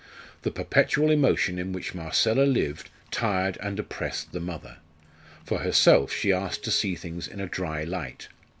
The perpetual emotion in which Marcella lived tired and oppressed the mother. For herself she asked to see things in a dry light.